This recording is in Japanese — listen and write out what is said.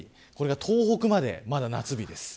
東北まで夏日です。